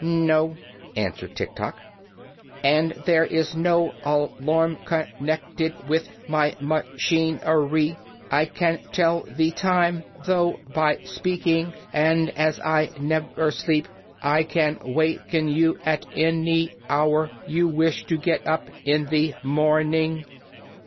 "No," answered Tiktok; "and there is no a larm con nec ted with my ma chin er y. I can tell the time, though, by speak ing, and as I nev er sleep I can wak en you at an y hour you wish to get up in the morn ing."